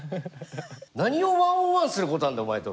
何を１ｏｎ１することあるんだお前と。